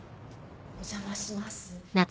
お邪魔します。